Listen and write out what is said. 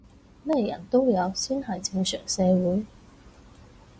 咩人都有先係正常社會